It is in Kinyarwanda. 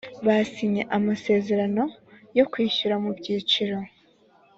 basinye amasezerano yo kwishyura mu byiciro